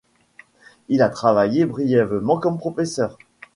Il a travaillé brièvement comme professeur.